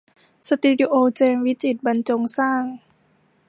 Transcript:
สตูดิโอเจมส์วิจิตรบรรจงสร้าง